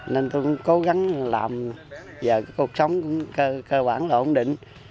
nên tôi cũng cố gắng làm giờ cuộc sống cũng cơ bản lộn định